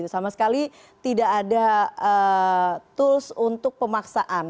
sama sekali tidak ada tools untuk pemaksaan